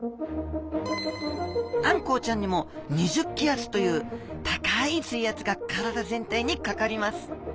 あんこうちゃんにも２０気圧という高い水圧が体全体にかかります。